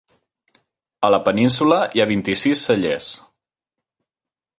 A la península hi ha vint-i-sis cellers.